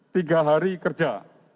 tiga hari kerja